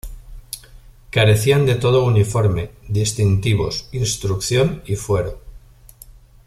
Carecían de todo uniforme, distintivos, instrucción y fuero.